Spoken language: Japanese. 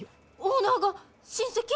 オーナーが親戚？